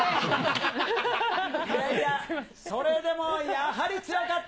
それでもやはり強かった。